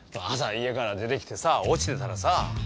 朝家から出てきてさ落ちてたらさ。